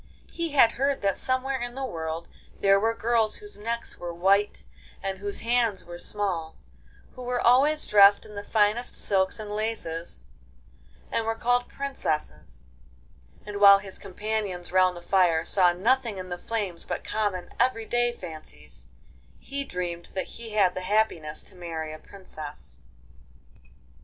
He had heard that somewhere in the world there were girls whose necks were white and whose hands were small, who were always dressed in the finest silks and laces, and were called princesses, and while his companions round the fire saw nothing in the flames but common everyday fancies, he dreamed that he had the happiness to marry a princess.